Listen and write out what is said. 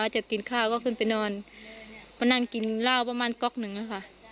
จะกินข้าวก็ขึ้นไปนอนมานั่งกินเหล้าประมาณก๊อกหนึ่งอะค่ะ